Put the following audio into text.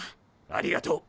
ありがとう。